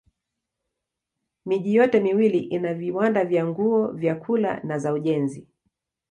Miji yote miwili ina viwanda vya nguo, vyakula na za ujenzi.